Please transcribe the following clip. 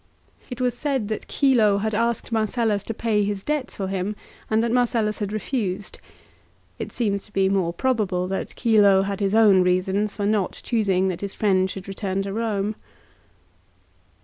It was said that Chilo had asked Marcellus to pay his debts for him, and that Marcellus had refused. It seems to be more probable that Chilo had his own reasons for not choosing that his friend should return to Eome.